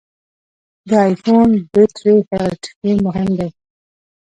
د ای فون بټري هلټ ډېر مهم دی.